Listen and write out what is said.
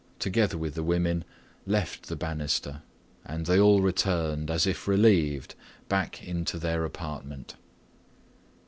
together with the women, left the banister, and they all returned, as if relieved, back into their apartment.